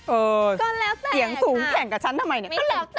เออเกี่ยงสูงแข่งกับฉันทำไมเนี่ยก็แล้วแต่ค่ะ